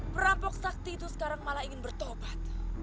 perampok sakti itu sekarang malah ingin bertobat